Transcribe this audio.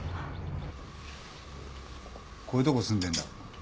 こういうとこ住んでんだ。